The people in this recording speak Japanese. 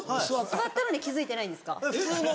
座ったのに気付いてないんですか？